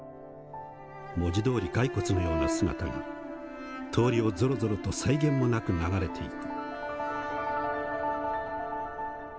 文字どおり骸骨のような姿が通りをぞろぞろと際限もなく流れていく」。